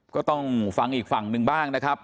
ก็ต้องฟังอีกฝั่งหนึ่งบ้างนะครับ